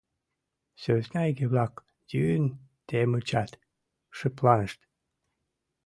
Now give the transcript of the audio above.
Сӧсна иге-влак йӱын темычат, шыпланышт.